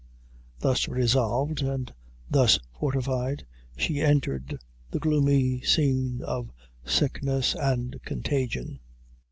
Thus resolved, and thus fortified, she entered the gloomy scene of sickness and contagion.